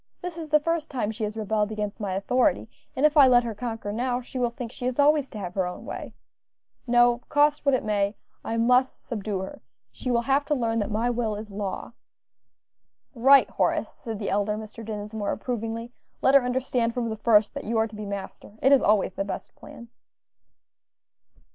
"This is the first time she has rebelled against my authority, and if I let her conquer now, she will think she is always to have her own way. No; cost what it may, I must subdue her; she will have to learn that my will is law." "Right, Horace," said the elder Mr. Dinsmore, approvingly, "let her understand from the first that you are to be master; it is always the best plan."